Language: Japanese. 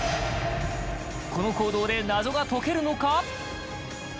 この行動で謎が解けるのか？